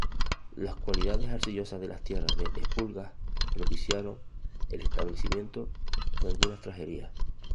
Las cualidades arcillosas de las tierras de Esplugas propiciaron el establecimiento de algunas tejerías.